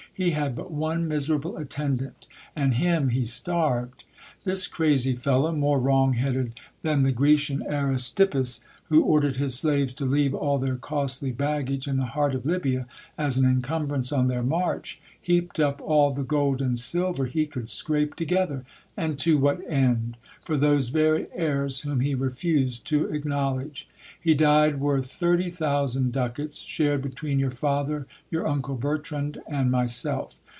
He had but one miserable attendant, and him 74 GIL BLAS. he starved. This crazy fellow, more wrong headed than the Grecian Aristippus, who ordered his slaves to leave all their costly baggage in the heart of Lybia, as an incumbrance on their march, heaped up all the gold and silver he could scrape together. And to what end ? for those very heirs whom he refused to acknowledge. He died worth thirty thousand ducats, shared between your father, your uncle Bertrand, and myself.